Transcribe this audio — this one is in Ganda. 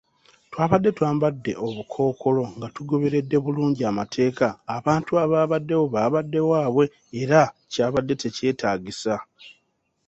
Twabadde twambadde obukookolo nga tugoberedde bulungi amateeka, abantu abaabaddewo baabadde waabwe, era kyabadde tekyetaagisa.